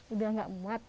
udah nggak muat